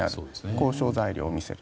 交渉材料を見せる。